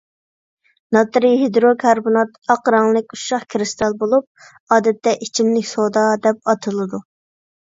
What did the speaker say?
ناترىي ھىدروكاربونات ئاق رەڭلىك ئۇششاق كىرىستال بولۇپ، ئادەتتە «ئىچىملىك سودا» دەپ ئاتىلىدۇ.